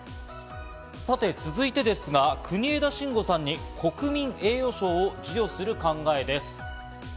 続いてですが、国枝慎吾さんに国民栄誉賞を授与する考えです。